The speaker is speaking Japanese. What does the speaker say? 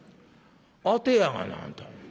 「アテやがなあんた。